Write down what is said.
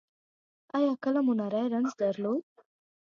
ایا کله مو نری رنځ درلود؟